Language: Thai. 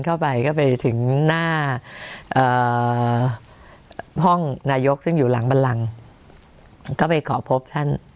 อ่าห้องนายกซึ่งอยู่หลังบรรลังก็ไปขอพบท่าน